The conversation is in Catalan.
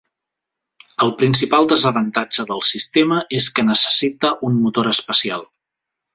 El principal desavantatge del sistema és que necessita un motor especial.